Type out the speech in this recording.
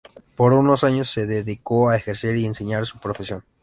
Por unos años se dedicó a ejercer y enseñar su profesión.